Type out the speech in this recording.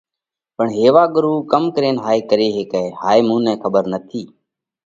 پڻ هيوا ڳرُو ڪم ڪرينَ هائي ڪري هيڪئه هائي مُون نئہ کٻر نٿِي۔